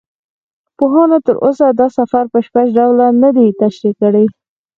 پوهانو تر اوسه دا سفر په بشپړ ډول نه دی تشریح کړی.